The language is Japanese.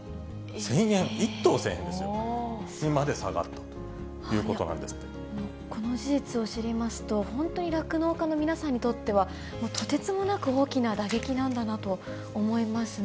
１頭１０００円ですよ、にまで下この事実を知りますと、本当に酪農家の皆さんにとっては、もうとてつもなく大きな打撃なんだなと思いますね。